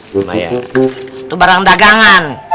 cuma ya itu barang dagangan